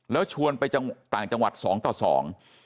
แล้วชวนไปต่างจังหวัดสองต่อสอง